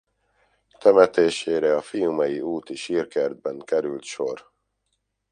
Temetésére a Fiumei Úti Sírkertben került sor.